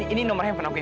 ini nomernya yang penuh